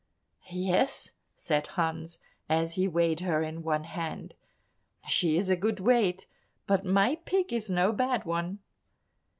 "Yes," said Hans, as he weighed her in one hand, "she is a good weight, but my pig is no bad one."